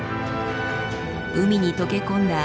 海に溶け込んだ